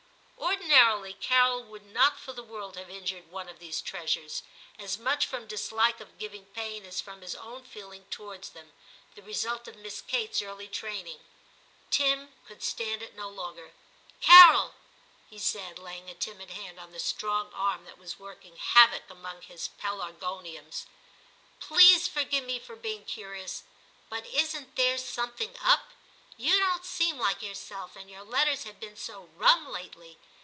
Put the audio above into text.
Ordinarily, Carol would not for the world have injured one of these treasures, as much from dislike of giving pain as from his own feeling towards them, the result of Miss 228 TIM CHAP. Kate*s early training. Tim could stand it no longer. 'Carol/ he said, laying a timid hand on the strong arm that was working havoc among his pelargoniums, ' please forgive me for being curious, but isn't there something up "i You don't seem like yourself; and your letters have been so rum lately.